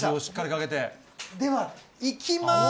ではいきます。